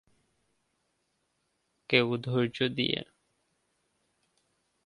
কেউ ধৈর্য্য দিয়ে।